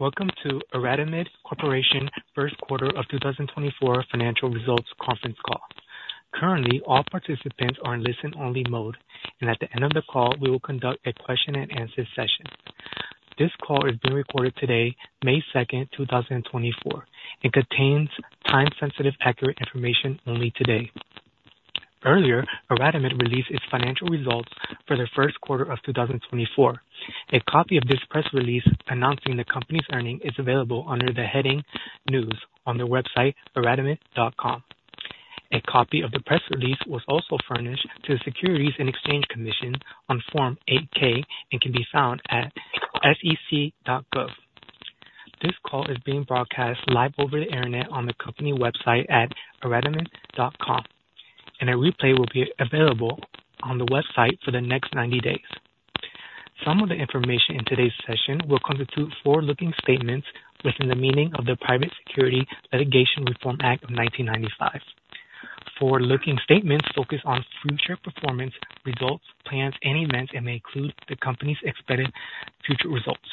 Welcome to IRadimed Corporation First Quarter of 2024 Financial Results Conference Call. Currently, all participants are in listen-only mode, and at the end of the call, we will conduct a question-and-answer session. This call is being recorded today, May 2nd, 2024, and contains time-sensitive, accurate information only today. Earlier, IRadimed released its financial results for the first quarter of 2024. A copy of this press release announcing the company's earnings is available under the heading News on their website, iradimed.com. A copy of the press release was also furnished to the Securities and Exchange Commission on Form 8-K and can be found at sec.gov. This call is being broadcast live over the Internet on the company website at iradimed.com, and a replay will be available on the website for the next 90 days. Some of the information in today's session will constitute forward-looking statements within the meaning of the Private Securities Litigation Reform Act of 1995. Forward-looking statements focus on future performance, results, plans, and events, and may include the company's expected future results.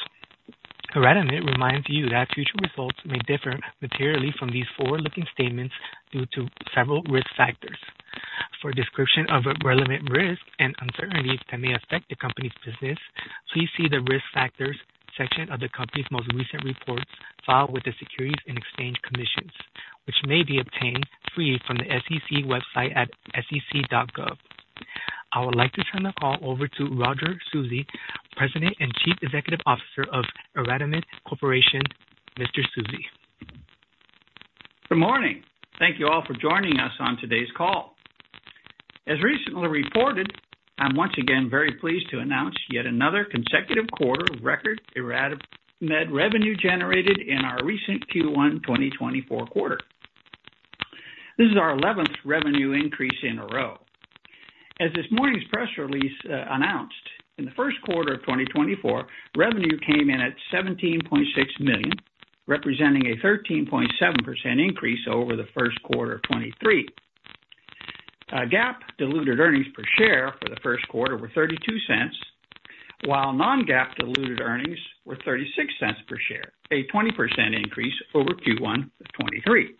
IRadimed reminds you that future results may differ materially from these forward-looking statements due to several risk factors. For a description of relevant risks and uncertainties that may affect the company's business, please see the Risk Factors section of the company's most recent reports filed with the Securities and Exchange Commission, which may be obtained free from the SEC website at sec.gov. I would like to turn the call over to Roger Susi, President and Chief Executive Officer of IRadimed Corporation. Mr. Susi? Good morning. Thank you all for joining us on today's call. As recently reported, I'm once again very pleased to announce yet another consecutive quarter of record IRadimed revenue generated in our recent Q1 2024 quarter. This is our 11th revenue increase in a row. As this morning's press release announced, in the first quarter of 2024, revenue came in at $17.6 million, representing a 13.7% increase over the first quarter of 2023. GAAP diluted earnings per share for the first quarter were $0.32, while non-GAAP diluted earnings were $0.36 per share, a 20% increase over Q1 of 2023.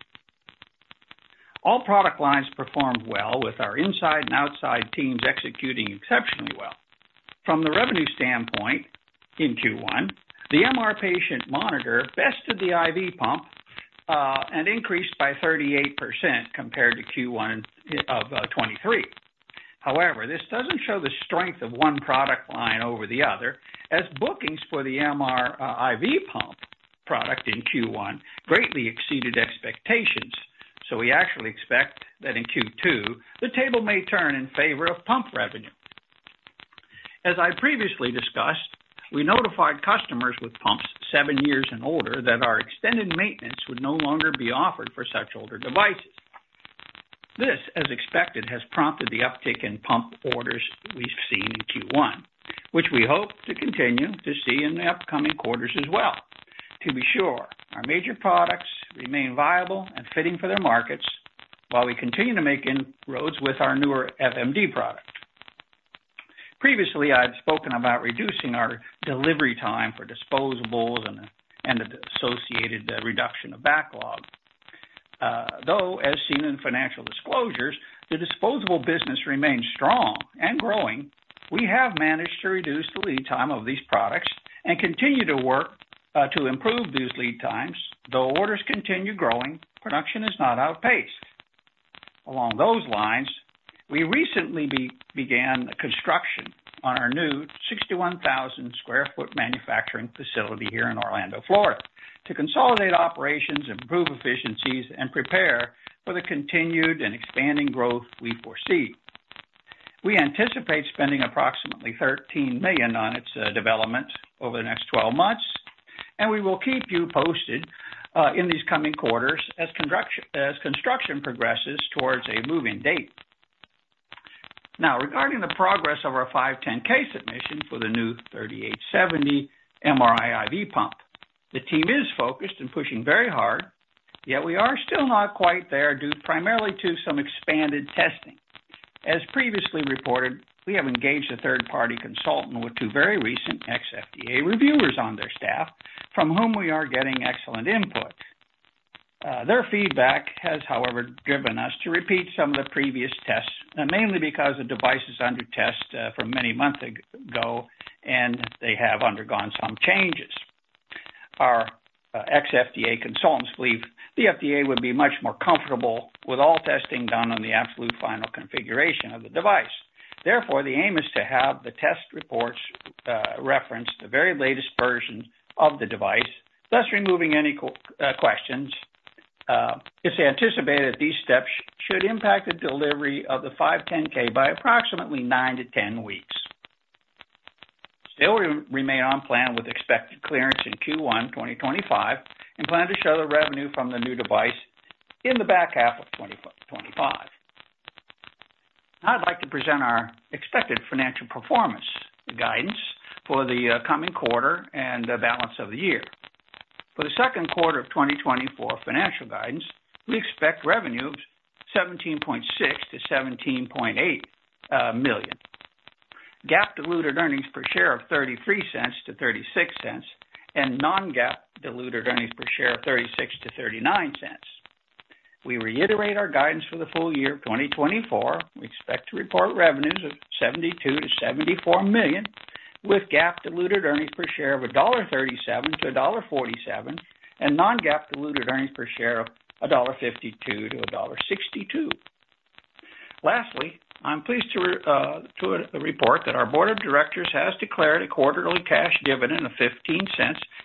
All product lines performed well, with our inside and outside teams executing exceptionally well. From the revenue standpoint, in Q1, the MR patient monitor bested the IV pump, and increased by 38% compared to Q1 of 2023. However, this doesn't show the strength of one product line over the other, as bookings for the MR IV pump product in Q1 greatly exceeded expectations. So we actually expect that in Q2, the table may turn in favor of pump revenue. As I previously discussed, we notified customers with pumps seven years and older that our extended maintenance would no longer be offered for such older devices. This, as expected, has prompted the uptick in pump orders we've seen in Q1, which we hope to continue to see in the upcoming quarters as well. To be sure, our major products remain viable and fitting for their markets, while we continue to make inroads with our newer FMD product. Previously, I've spoken about reducing our delivery time for disposables and the associated reduction of backlog. Though, as seen in financial disclosures, the disposable business remains strong and growing. We have managed to reduce the lead time of these products and continue to work to improve these lead times. Though orders continue growing, production is not outpaced. Along those lines, we recently began construction on our new 61,000 sq ft manufacturing facility here in Orlando, Florida, to consolidate operations, improve efficiencies, and prepare for the continued and expanding growth we foresee. We anticipate spending approximately $13 million on its development over the next 12 months, and we will keep you posted in these coming quarters as construction progresses towards a move-in date. Now, regarding the progress of our 510(k) submission for the new 3870 MRI IV pump, the team is focused and pushing very hard, yet we are still not quite there, due primarily to some expanded testing. As previously reported, we have engaged a third-party consultant with two very recent ex-FDA reviewers on their staff, from whom we are getting excellent input. Their feedback has, however, driven us to repeat some of the previous tests, mainly because the device is under test from many months ago, and they have undergone some changes. Our ex-FDA consultants believe the FDA would be much more comfortable with all testing done on the absolute final configuration of the device. Therefore, the aim is to have the test reports reference the very latest version of the device, thus removing any questions. It's anticipated that these steps should impact the delivery of the 510(k) by approximately nine-10 weeks. Still remain on plan with expected clearance in Q1 2025 and plan to show the revenue from the new device in the back half of 2025. Now I'd like to present our expected financial performance guidance for the coming quarter and the balance of the year. For the second quarter of 2024 financial guidance, we expect revenue of $17.6 million-$17.8 million. GAAP diluted earnings per share of $0.33-$0.36, and non-GAAP diluted earnings per share of $0.36-$0.39. We reiterate our guidance for the full year of 2024. We expect to report revenues of $72 million-$74 million, with GAAP diluted earnings per share of $1.37-$1.47, and non-GAAP diluted earnings per share of $1.52-$1.62. Lastly, I'm pleased to report that our board of directors has declared a quarterly cash dividend of $0.15,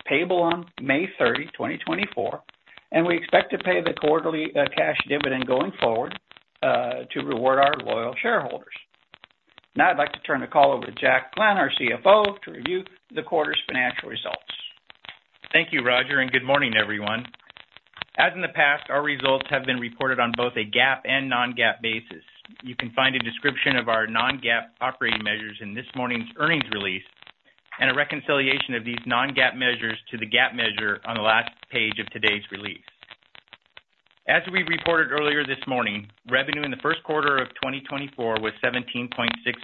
payable on May 30, 2024, and we expect to pay the quarterly cash dividend going forward to reward our loyal shareholders. Now, I'd like to turn the call over to Jack Glenn, our CFO, to review the quarter's financial results. Thank you, Roger, and good morning, everyone. As in the past, our results have been reported on both a GAAP and non-GAAP basis. You can find a description of our non-GAAP operating measures in this morning's earnings release and a reconciliation of these non-GAAP measures to the GAAP measure on the last page of today's release. As we reported earlier this morning, revenue in the first quarter of 2024 was $17.6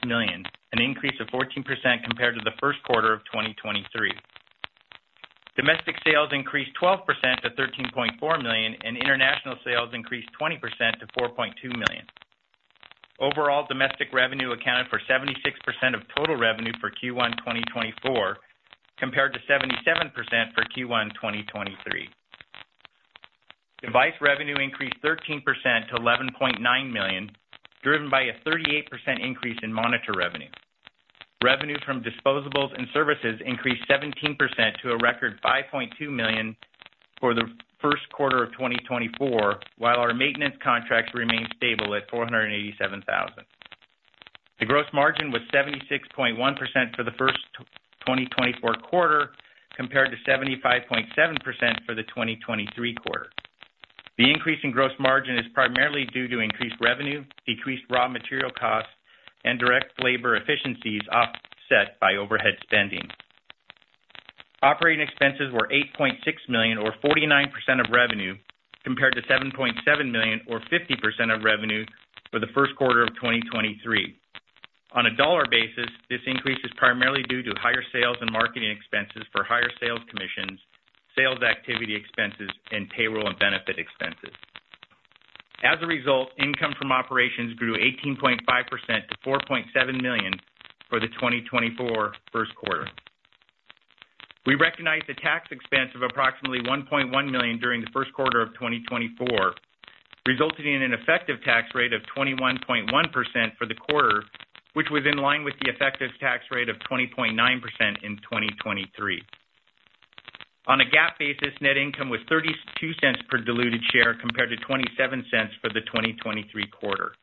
million, an increase of 14% compared to the first quarter of 2023. Domestic sales increased 12% to $13.4 million, and international sales increased 20% to $4.2 million. Overall, domestic revenue accounted for 76% of total revenue for Q1 2024, compared to 77% for Q1 2023. Device revenue increased 13% to $11.9 million, driven by a 38% increase in monitor revenue. Revenue from disposables and services increased 17% to a record $5.2 million for the first quarter of 2024, while our maintenance contracts remained stable at $487,000. The gross margin was 76.1% for the first 2024 quarter, compared to 75.7% for the 2023 quarter. The increase in gross margin is primarily due to increased revenue, decreased raw material costs, and direct labor efficiencies, offset by overhead spending. Operating expenses were $8.6 million, or 49% of revenue, compared to $7.7 million or 50% of revenue for the first quarter of 2023. On a dollar basis, this increase is primarily due to higher sales and marketing expenses for higher sales commissions, sales activity expenses, and payroll and benefit expenses. As a result, income from operations grew 18.5% to $4.7 million for the 2024 first quarter. We recognized a tax expense of approximately $1.1 million during the first quarter of 2024, resulting in an effective tax rate of 21.1% for the quarter, which was in line with the effective tax rate of 20.9% in 2023. On a GAAP basis, net income was $0.32 per diluted share, compared to $0.27 for the 2023 quarter.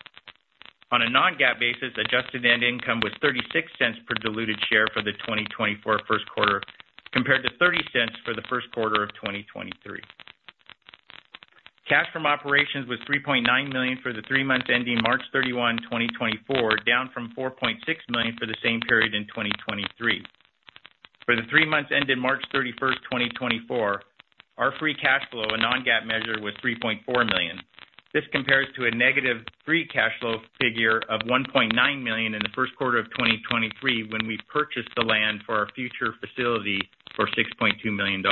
On a non-GAAP basis, adjusted net income was $0.36 per diluted share for the 2024 first quarter, compared to $0.30 for the first quarter of 2023. Cash from operations was $3.9 million for the three months ending March 31, 2024, down from $4.6 million for the same period in 2023. For the three months ending March 31st, 2024, our free cash flow, a non-GAAP measure, was $3.4 million. This compares to a negative free cash flow figure of $1.9 million in the first quarter of 2023, when we purchased the land for our future facility for $6.2 million.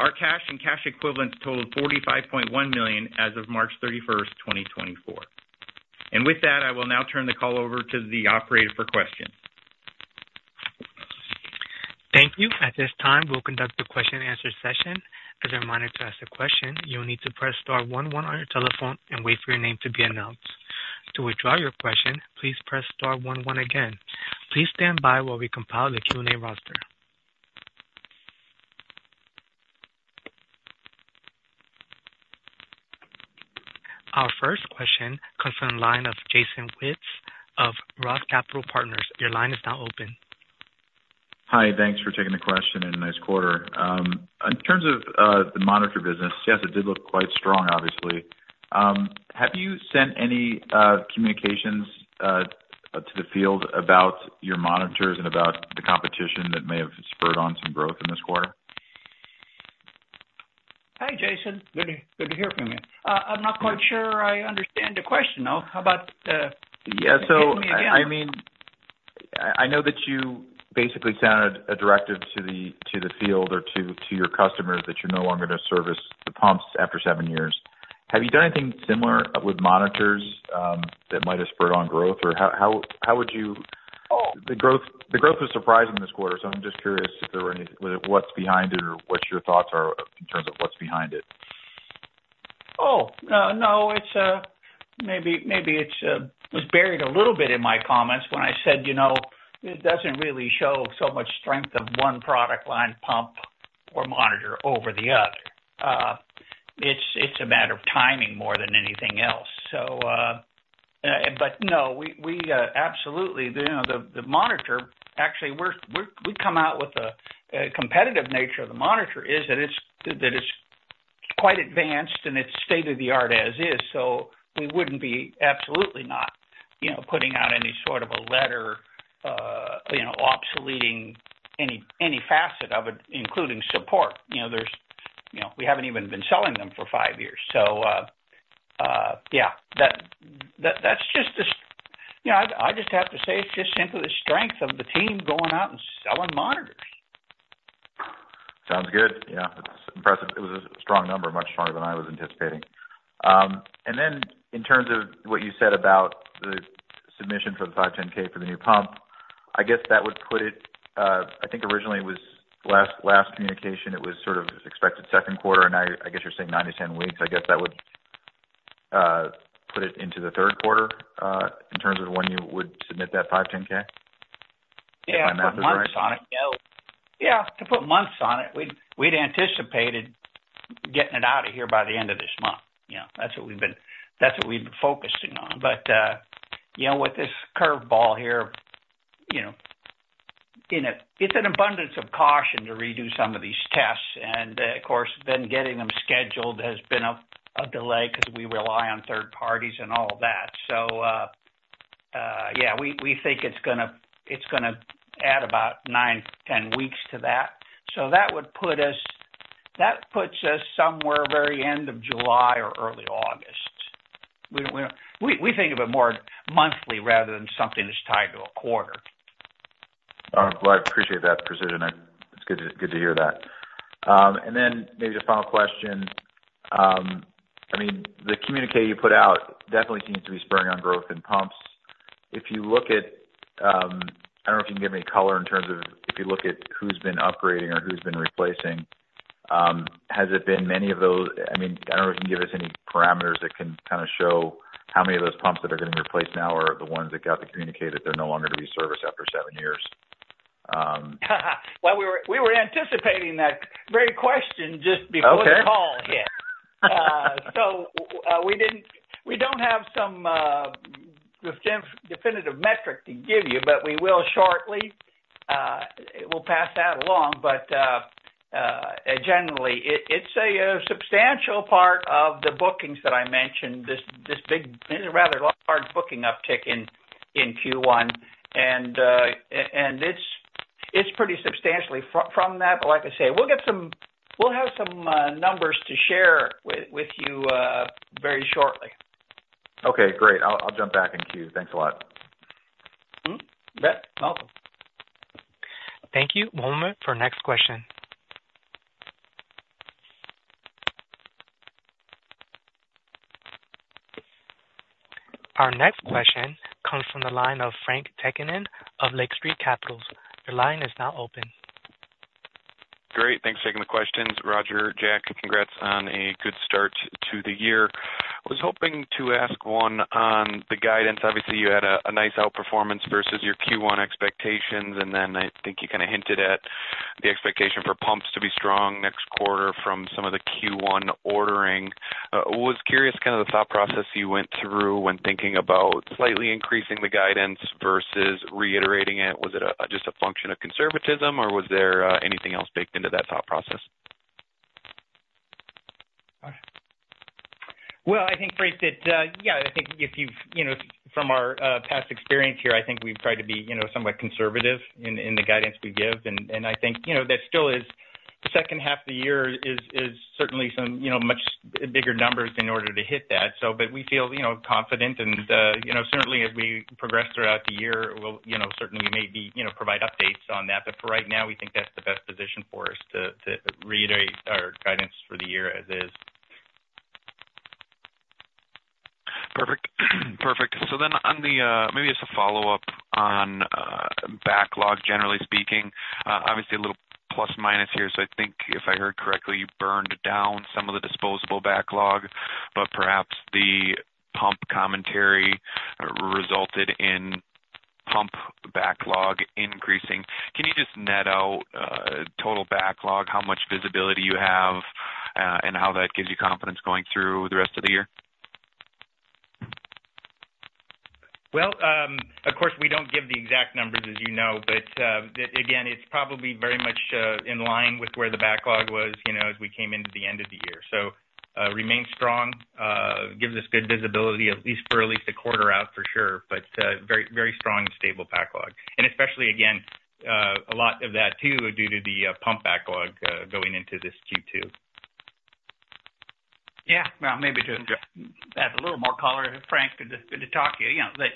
Our cash and cash equivalents totaled $45.1 million as of March 31st, 2024. And with that, I will now turn the call over to the operator for questions. Thank you. At this time, we'll conduct a question-and-answer session. As a reminder, to ask a question, you'll need to press star one one on your telephone and wait for your name to be announced. To withdraw your question, please press star one one again. Please stand by while we compile the Q&A roster. Our first question comes from the line of Jason Wittes of ROTH Capital Partners. Your line is now open. Hi, thanks for taking the question and nice quarter. In terms of the monitor business, yes, it did look quite strong, obviously. Have you sent any communications to the field about your monitors and about the competition that may have spurred on some growth in this quarter? Hi, Jason. Good to, good to hear from you. I'm not quite sure I understand the question, though. How about, Yeah, so, I mean, I know that you basically sent a directive to the field or to your customers that you're no longer going to service the pumps after seven years. Have you done anything similar with monitors that might have spurred on growth? Or how would you- Oh. The growth, the growth was surprising this quarter, so I'm just curious if there were any-what, what's behind it or what your thoughts are in terms of what's behind it? Oh, no, it's maybe it was buried a little bit in my comments when I said, you know, it doesn't really show so much strength of one product line, pump or monitor, over the other. It's a matter of timing more than anything else. So, but no, we absolutely, you know, the monitor, actually, the competitive nature of the monitor is that it's quite advanced and it's state-of-the-art as is. So we wouldn't be, absolutely not, you know, putting out any sort of a letter... you know, obsoleting any facet of it, including support. You know, there's, you know, we haven't even been selling them for five years. Yeah, that's just the, you know, I just have to say it's just simply the strength of the team going out and selling monitors. Sounds good. Yeah, it's impressive. It was a strong number, much stronger than I was anticipating. And then in terms of what you said about the submission for the 510(k) for the new pump, I guess that would put it. I think originally it was last communication it was sort of expected second quarter, and now I guess you're saying 9-10 weeks. I guess that would put it into the third quarter, in terms of when you would submit that 510(k)? Yeah, to put months on it. Yeah, to put months on it, we'd anticipated getting it out of here by the end of this month. Yeah, that's what we've been focusing on. But, you know, with this curve ball here, you know, it's an abundance of caution to redo some of these tests. And, of course, then getting them scheduled has been a delay because we rely on third parties and all that. So, yeah, we think it's gonna add about nine-10 weeks to that. So that would put us... That puts us somewhere very end of July or early August. We think of it more monthly rather than something that's tied to a quarter. All right, well, I appreciate that precision, and it's good to hear that. And then maybe just final question. I mean, the communique you put out definitely seems to be spurring on growth in pumps. If you look at, I don't know if you can give me color in terms of if you look at who's been upgrading or who's been replacing, has it been many of those? I mean, I don't know if you can give us any parameters that can kind of show how many of those pumps that are getting replaced now are the ones that got the communique that they're no longer to be serviced after seven years. Well, we were anticipating that very question just before- Okay. The call. Yeah. So, we didn't, we don't have some definitive metric to give you, but we will shortly. We'll pass that along. But, generally, it's a substantial part of the bookings that I mentioned, this big, this rather large booking uptick in Q1. And, and it's pretty substantially from that. But like I say, we'll get some... We'll have some numbers to share with you very shortly. Okay, great. I'll jump back in queue. Thanks a lot. Hmm? Yeah, awesome. Thank you. One moment for next question. Our next question comes from the line of Frank Takkinen of Lake Street Capital. Your line is now open. Great, thanks for taking the questions. Roger, Jack, congrats on a good start to the year. I was hoping to ask one on the guidance. Obviously, you had a nice outperformance versus your Q1 expectations, and then I think you kind of hinted at the expectation for pumps to be strong next quarter from some of the Q1 ordering. Was curious kind of the thought process you went through when thinking about slightly increasing the guidance versus reiterating it. Was it just a function of conservatism, or was there anything else baked into that thought process? Well, I think, Frank, that yeah, I think if you've you know from our past experience here, I think we've tried to be you know somewhat conservative in the guidance we give. And I think you know that still is second half of the year is certainly some you know much bigger numbers in order to hit that. So but we feel you know confident and you know certainly as we progress throughout the year, we'll you know certainly may be you know provide updates on that. But for right now, we think that's the best position for us to reiterate our guidance for the year as is. Perfect. Perfect. So then on the, maybe just a follow-up on, backlog, generally speaking, obviously a little plus or minus here. So I think if I heard correctly, you burned down some of the disposable backlog, but perhaps the pump commentary resulted in pump backlog increasing. Can you just net out, total backlog, how much visibility you have, and how that gives you confidence going through the rest of the year? Well, of course, we don't give the exact numbers, as you know. But, again, it's probably very much in line with where the backlog was, you know, as we came into the end of the year. So, remains strong, gives us good visibility, at least a quarter out for sure, but, very, very strong and stable backlog. And especially, again, a lot of that too, due to the pump backlog, going into this Q2. Yeah. Well, maybe to add a little more color, Frank, good to talk to you. You know, that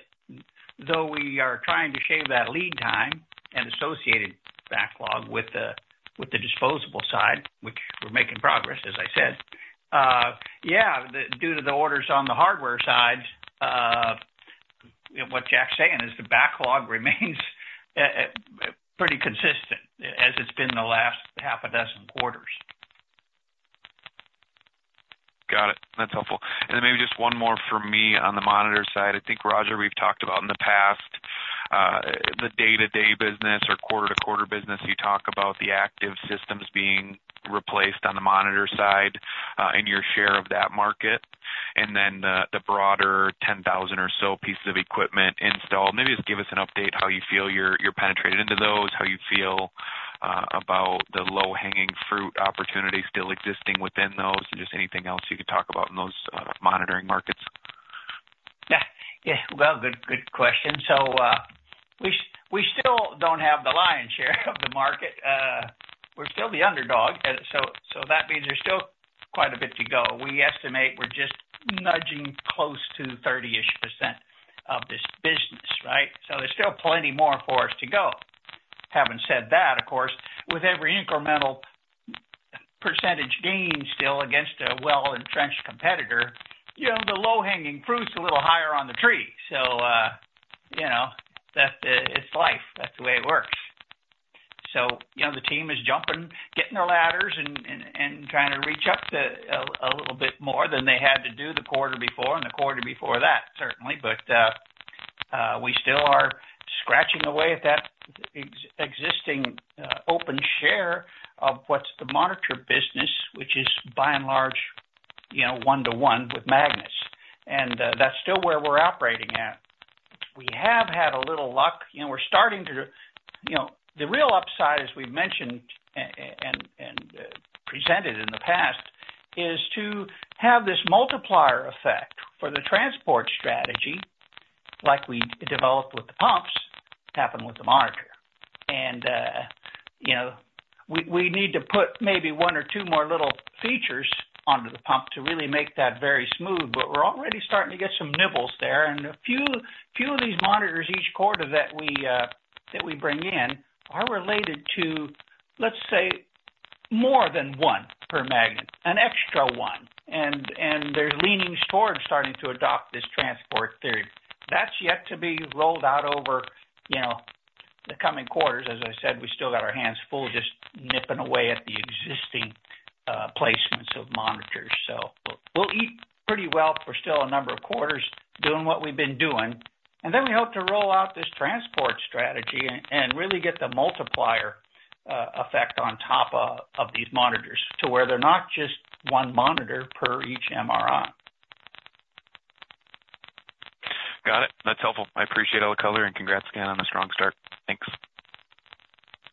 though we are trying to shave that lead time and associated backlog with the disposable side, which we're making progress, as I said, due to the orders on the hardware side, what Jack's saying is the backlog remains pretty consistent, as it's been the last half a dozen quarters. Got it. That's helpful. And then maybe just one more for me on the monitor side. I think, Roger, we've talked about in the past, the day-to-day business or quarter-to-quarter business. You talk about the active systems being replaced on the monitor side, and your share of that market, and then the, the broader 10,000 or so pieces of equipment installed. Maybe just give us an update how you feel you're, you're penetrated into those, how you feel, about the low-hanging fruit opportunity still existing within those, and just anything else you could talk about in those, monitoring markets?... Yeah. Well, good, good question. So, we still don't have the lion's share of the market. We're still the underdog, so that means there's still quite a bit to go. We estimate we're just nudging close to 30-ish% of this business, right? So there's still plenty more for us to go. Having said that, of course, with every incremental percentage gain still against a well-entrenched competitor, you know, the low-hanging fruit is a little higher on the tree. So, you know, that's it. It's life. That's the way it works. So, you know, the team is jumping, getting the ladders and trying to reach up to a little bit more than they had to do the quarter before and the quarter before that, certainly. But, we still are scratching away at that existing open share of what's the monitor business, which is by and large, you know, one to one with magnet, and that's still where we're operating at. We have had a little luck, you know, we're starting to. You know, the real upside, as we've mentioned, and presented in the past, is to have this multiplier effect for the transport strategy, like we developed with the pumps, happen with the monitor. And, you know, we need to put maybe one or two more little features onto the pump to really make that very smooth, but we're already starting to get some nibbles there. And a few of these monitors each quarter that we bring in are related to, let's say, more than one per magnet, an extra one. They're leaning towards starting to adopt this transport theory. That's yet to be rolled out over, you know, the coming quarters. As I said, we still got our hands full, just nipping away at the existing placements of monitors. So we'll eat pretty well for still a number of quarters doing what we've been doing, and then we hope to roll out this transport strategy and really get the multiplier effect on top of these monitors, to where they're not just one monitor per each MRI. Got it. That's helpful. I appreciate all the color and congrats again on the strong start. Thanks.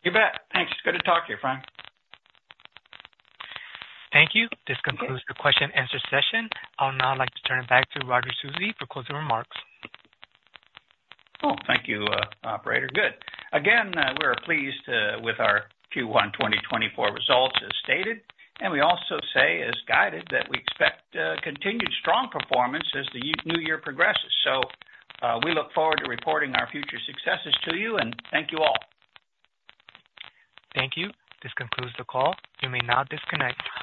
You bet! Thanks. Good to talk to you, Frank. Thank you. This concludes the question and answer session. I would now like to turn it back to Roger Susi for closing remarks. Cool. Thank you, operator. Good. Again, we're pleased with our Q1 2024 results as stated, and we also say as guided, that we expect continued strong performance as the new year progresses. So, we look forward to reporting our future successes to you, and thank you all. Thank you. This concludes the call. You may now disconnect.